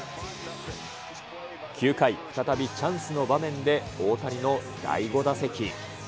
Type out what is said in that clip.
９回、再びチャンスの場面で、大谷の第５打席。